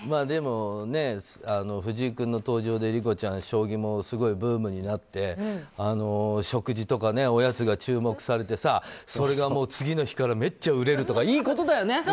でも、藤井君の登場で将棋もすごいブームになって食事とかおやつが注目されてそれが次の日からめっちゃ売れるとかいいことだよね。